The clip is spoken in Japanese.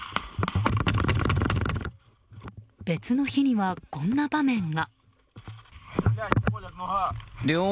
別の日には、こんな場面が。